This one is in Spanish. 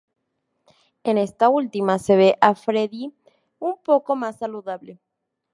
En esta última se ve a Freddie un poco más saludable.